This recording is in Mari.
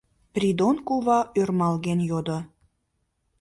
— Придон кува ӧрмалген йодо.